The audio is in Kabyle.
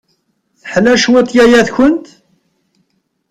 Teḥla cwiṭ yaya-tkent?